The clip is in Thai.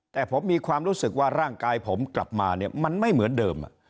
แต่ผมมีความรู้สึกว่าร่างกายผมกลับมาเนี่ยมันไม่เหมือนเดิม